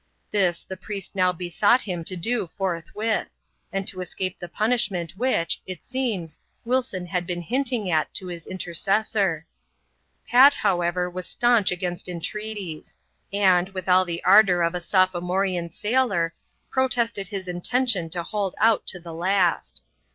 This, the priest now: besought him to do forthwith; and to escape the punishment which, it seems, Wilson had been hinting at to his intercessor. Pat, however, was staunch against entreaties; and, with all the ardour of a sophomorean sailor, protested his intention to hold out to the last.